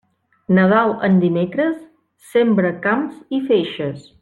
Nadal en dimecres, sembra camps i feixes.